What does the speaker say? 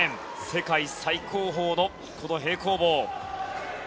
世界最高峰の平行棒。